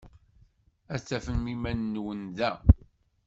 Ad tafem iman-nwen da.